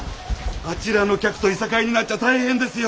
あちらの客といさかいになっちゃ大変ですよ。